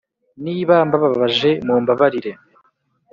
niba mbababaje mumbabarire